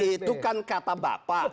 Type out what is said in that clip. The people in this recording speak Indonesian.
itu kan kata bapak